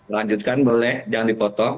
lanjutkan boleh jangan dipotong